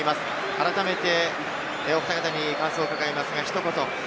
改めてお２人に感想を伺います、ひと言。